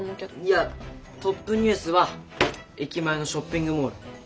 いやトップニュースは駅前のショッピングモール。